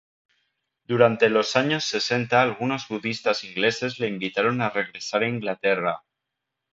Durante los años sesenta algunos budistas ingleses le invitaron a regresar a Inglaterra.